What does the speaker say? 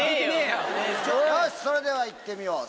よしそれでは行ってみよう！